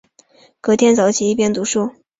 隔天早起一边读书